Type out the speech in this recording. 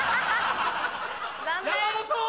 山本！